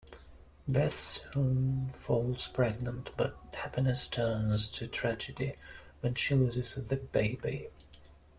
Beth soon falls pregnant but happiness turns to tragedy when she loses the baby.